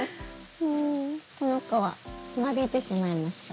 うんこの子は間引いてしまいましょう。